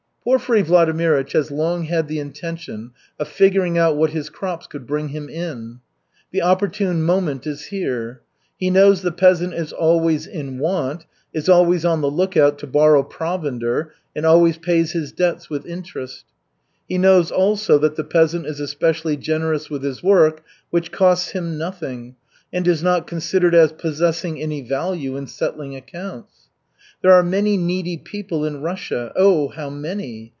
Porfiry Vladimirych has long had the intention of figuring out what his crops could bring him in. The opportune moment is here. He knows the peasant is always in want, is always on the lookout to borrow provender and always pays his debts with interest. He knows also that the peasant is especially generous with his work, which "costs him nothing," and is not considered as possessing any value in settling accounts. There are many needy people in Russia, oh, how many!